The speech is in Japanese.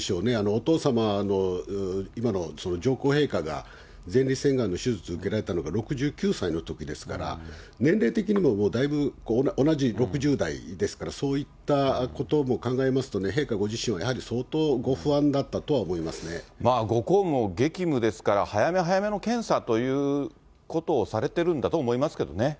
お父様の今の上皇陛下が前立腺がんの手術受けられたのが６９歳のときですから、年齢的にももうだいぶ、同じ６０代ですから、そういったことも考えますと、陛下ご自身はやはり相当、ご公務も激務ですから、早め早めの検査ということをされてるんだと思いますけどね。